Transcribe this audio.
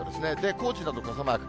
高知など、傘マーク。